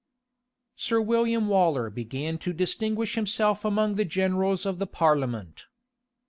[] Sir William Waller began to distinguish himself among the generals of the parliament.